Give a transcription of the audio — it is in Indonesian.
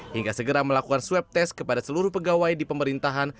hingga segera melakukan swab test kepada seluruh pegawai di pemerintahan